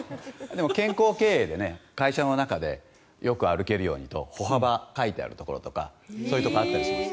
でも健康経営で会社の中でよく歩けるようにと歩幅が書いてあるところとかあったりします。